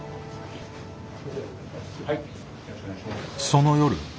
その夜。